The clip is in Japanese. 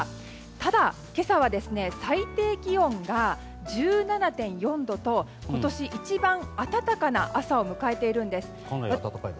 ただ、今朝は最低気温が１７．４度と今年一番暖かな朝を迎えているんです。